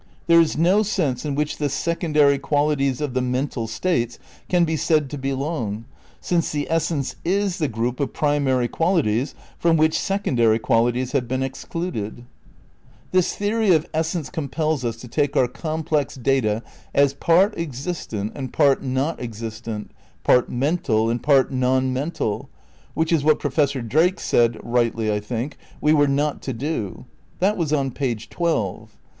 There is no sense in which the sec ondary qualities of the mental states can be said to belong; since the essence is the group of primary qual ities from which secondary qualities have been ex cluded. * The Approach to Critical Bealism, pp. 23 24. = The same, pp. 27 28. 120 THE NEW IDEALISM m This theory of essence compels us to take our com plex data as part existent and part not existent, part mental and part non mental, which is what Professor Drake said (rightly, I think,) we were not to do. That was on page twelve.